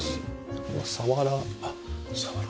サワラ。